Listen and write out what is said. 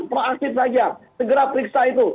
proaktif saja segera periksa itu